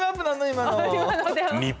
今の。